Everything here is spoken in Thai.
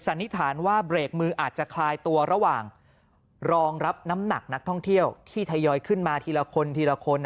นิษฐานว่าเบรกมืออาจจะคลายตัวระหว่างรองรับน้ำหนักนักท่องเที่ยวที่ทยอยขึ้นมาทีละคนทีละคน